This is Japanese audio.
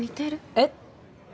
えっ？